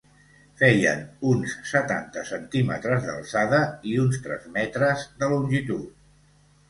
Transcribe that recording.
Feien uns setanta centímetres d'alçada i uns tres metres de longitud.